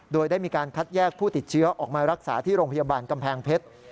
โดยได้มีการคัดแยกผู้ติดเชื้อออกมารักษาที่โรงพยาบาลกำแพงเพชร